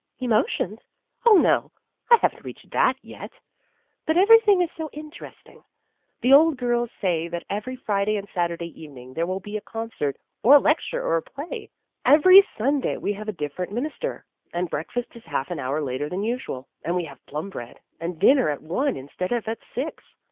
" Emotions ? Oh, no, I have n't reached that yet ! But everything is so interesting. The old girls say that every Friday and Saturday evening there will be a concert or a lecture or a play. Every Sunday we have a different minister, and breakfast is half an hour later than usual, and we have plum bread, and dinner at one instead of at six.